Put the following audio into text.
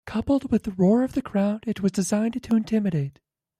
Coupled with the roar of the crowd, it was designed to intimidate.